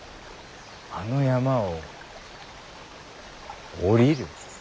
あの山を下りる。